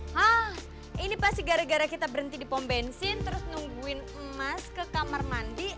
hah ini pasti gara gara kita berhenti di pom bensin terus nungguin emas ke kamar mandi